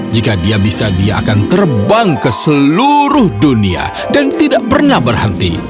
jika dia bisa dia akan terbang ke seluruh dunia dan tidak pernah berhenti